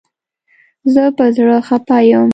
زه په زړه خپه یم